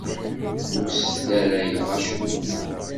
Ur sdarayeɣ acemma.